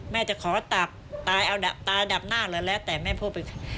แม่จะขอตาตาดับหน้าเหลือแล้วแต่สิ่งที่ได้แม่พูดไป